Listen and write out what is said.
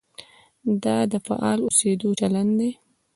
دا د فعال اوسېدو چلند دی.